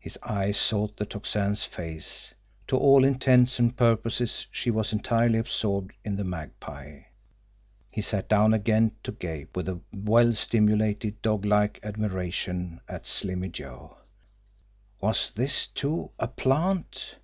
His eyes sought the Tocsin's face. To all intents and purposes she was entirely absorbed in the Magpie. He sat down again to gape, with well stimulated, doglike admiration, at Slimmy Joe. WAS THIS, TOO, A PLANT?